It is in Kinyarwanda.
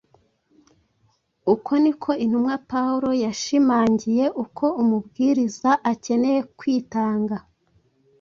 Uko niko intumwa Pawulo yashimangiye uko umubwiriza akeneye kwitanga.